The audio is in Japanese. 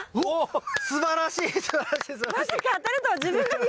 すばらしい。